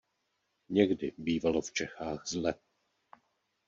Někdy bývalo v Čechách zle.